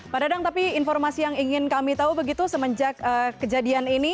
pak dadang tapi informasi yang ingin kami tahu begitu semenjak kejadian ini